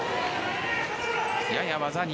やや技に